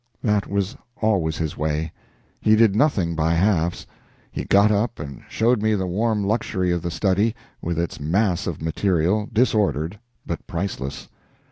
That was always his way. He did nothing by halves. He got up and showed me the warm luxury of the study, with its mass of material disordered, but priceless.